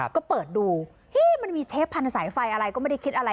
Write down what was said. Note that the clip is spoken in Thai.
ก็เปิดดูมันมีเทปพันธุ์สายไฟอะไรก็ไม่ได้คิดอะไร